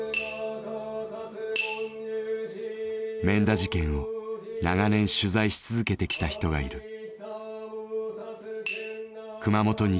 免田事件を長年取材し続けてきた人がいる。